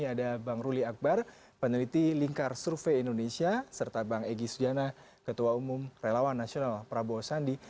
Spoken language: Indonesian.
ada bang ruli akbar peneliti lingkar survei indonesia serta bang egy sujana ketua umum relawan nasional prabowo sandi